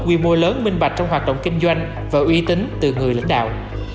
quy mô lớn minh bạch trong hoạt động kinh doanh và uy tín từ người lãnh đạo